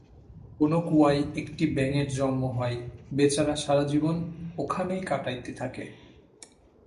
কোন কুয়ায় একটি ব্যাঙের জন্ম হয়, বেচারা সারাজীবন ওখানেই কাটাইতে থাকে।